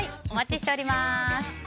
お待ちしております。